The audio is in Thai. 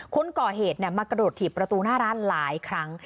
คนก่อเหตุมากระโดดถีบประตูหน้าร้านหลายครั้ง